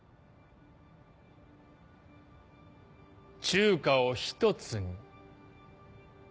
中華を一つに。